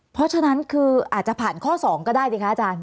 เพราะฉะนั้นคืออาจจะผ่านข้อ๒ก็ได้สิคะอาจารย